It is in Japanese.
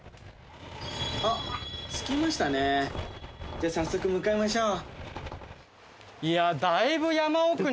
じゃあ早速向かいましょう。